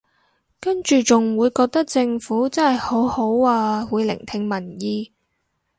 跟住仲會覺得政府真係好好啊會聆聽民意